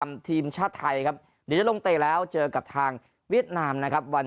ทีมชาติไทยครับเดี๋ยวจะลงเตะแล้วเจอกับทางเวียดนามนะครับวัน